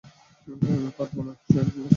আমি পারবো না সেরকম ভাবছেন?